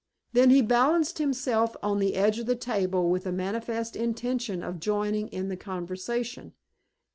Then he balanced himself on the edge of the table with a manifest intention of joining in the conversation.